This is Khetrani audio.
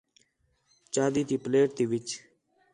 چاندی تی پلیٹ تی وِچ